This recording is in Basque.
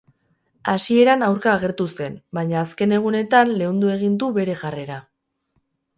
Hasieran aurka agertu zen, baina azken egunetan leundu egin du bere jarrera.